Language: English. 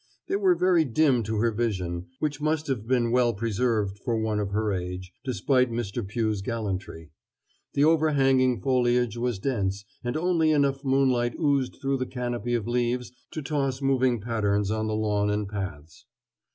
They were very dim to her vision, which must have been well preserved for one of her age, despite Mr. Pugh's gallantry. The overhanging foliage was dense, and only enough moonlight oozed through the canopy of leaves to toss moving patterns on the lawn and paths.